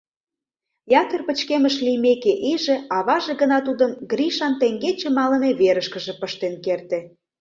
Ятыр пычкемыш лиймеке иже, аваже гына тудым Гришан теҥгече малыме верышкыже пыштен керте.